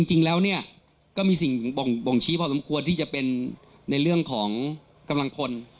จริงแล้วเนี่ยก็มีสิ่งบ่งชี้พอสมควรที่จะเป็นในเรื่องของกำลังพล